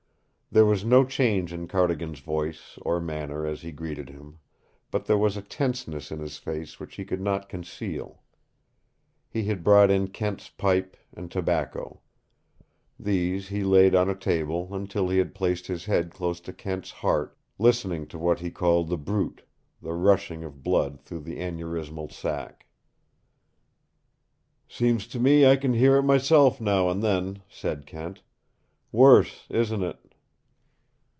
There was no change in Cardigan's voice or manner as he greeted him. But there was a tenseness in his face which he could not conceal. He had brought in Kent's pipe and tobacco. These he laid on a table until he had placed his head close to Kent's hearty listening to what he called the bruit the rushing of blood through the aneurismal sac. "Seems to me that I can hear it myself now and then," said Kent. "Worse, isn't it?"